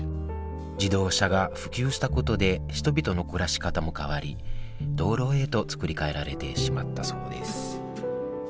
自動車が普及したことで人々の暮らし方も変わり道路へと造り替えられてしまったそうです